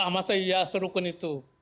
mas ahy serukun itu